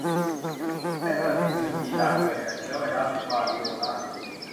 ไข้ทรพิษหรือฝีดาษเกิดจากเชื้อไวรัสวาริโอลา